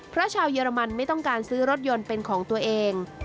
เพราะชาวเยอรมันไม่ต้องการซื้อรถยนต์เป็นของตัวเอง